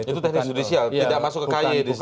itu teknis judicial tidak masuk ke ky di situ ya